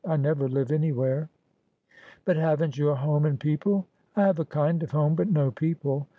I never live anywhere.' ' But haven't you a home and people ?'' I have a kind of home, but no people.'